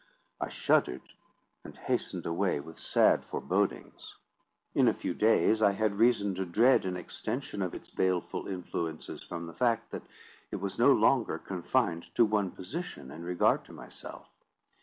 I shuddered, and hastened away with sad forebodings. In a few days, I had reason to dread an extension of its baleful influences from the fact, that it was no longer confined to one position in regard to myself.